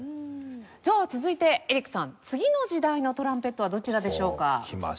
じゃあ続いてエリックさん次の時代のトランペットはどちらでしょうか？